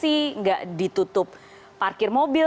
tidak ditutup parkir mobil